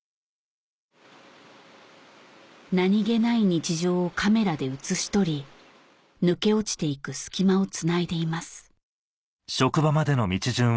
何げない日常をカメラで写し取り抜け落ちていく隙間をつないでいます